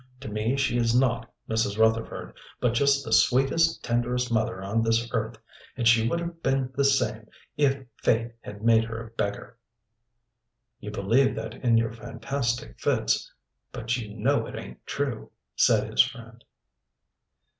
To me she is not Mrs. Rutherford, but just the sweetest, tenderest mother on this earth and she would have been the same if Fate had made her a beggar." "You believe that in your fantastic fits but you know it ain't true," said his friend.